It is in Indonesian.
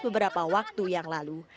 dan berapa waktu yang lalu